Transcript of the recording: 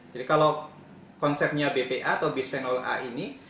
jadi kalau konsepnya bpa atau bisphenol a ini